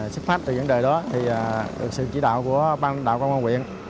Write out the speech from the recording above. xét pháp từ vấn đề đó được sự chỉ đạo của ban lãnh đạo công an huyện